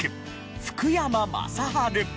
福山雅治。